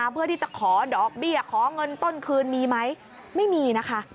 เพื่อที่จะขอดอกเบี้ยขอเงินต้นคืนมีไหมไม่มีนะคะ